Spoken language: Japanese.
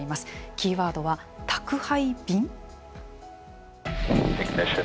キーワードは宅配便！？